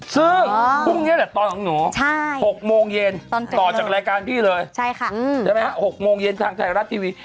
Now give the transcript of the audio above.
ซึ่งพรุ่งนี้แหละตอนของหนู๖โมงเย็นต่อจากรายการพี่เลยใช่ไหมฮะ๖โมงเย็นทางไทยรัฐทีวี